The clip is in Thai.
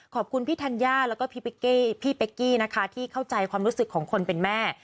ขอบคุณพี่ธัญญาแล้วก็พี่เป๊กกี้นะคะที่เข้าใจความรู้สึกของคนเป็นแม่